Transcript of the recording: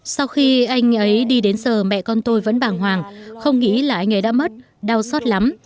sau khi anh ấy đi đến giờ mẹ con tôi vẫn bàng hoàng không nghĩ là anh ấy đã mất đau xót lắm